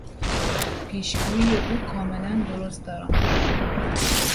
پیشگویی او کاملا درست درآمد!